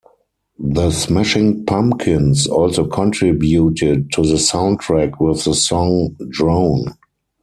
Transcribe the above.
The Smashing Pumpkins also contributed to the soundtrack with the song "Drown".